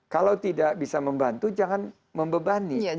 kalau tidak bisa membantu jangan membebani sektor ini